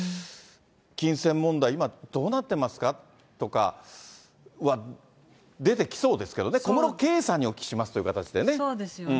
金銭問題、今、どうなってますか？とかは出てきそうですけどね、小室圭さんにおそうですよね。